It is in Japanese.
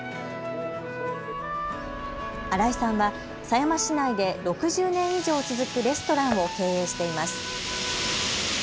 荒井さんは狭山市内で６０年以上続くレストランを経営しています。